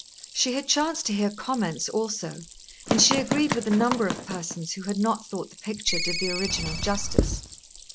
She had chanced to hear comments also, and she agreed with a number of persons who had not thought the picture did the original justice.